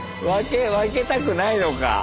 分けたくないのか。